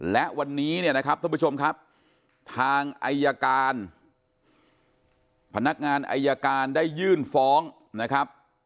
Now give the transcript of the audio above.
และวันนี้เนี่ยนะครับท่านผู้ชมครับทางอายการพนักงานอายการได้ยื่นฟ้องนะครับ